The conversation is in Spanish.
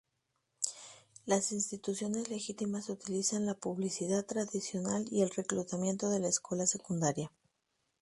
Las instituciones legítimas utilizan la publicidad tradicional y el reclutamiento de la escuela secundaria.